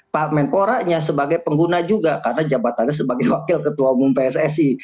pak menporanya sebagai pengguna juga karena jabatannya sebagai wakil ketua umum pssi